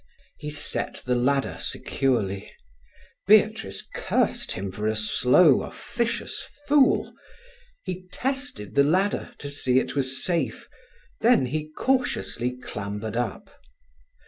He set the ladder securely. Beatrice cursed him for a slow, officious fool. He tested the ladder, to see it was safe, then he cautiously clambered up.